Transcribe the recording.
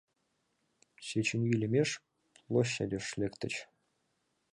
Сеченьи лӱмеш площадьыш лектыч.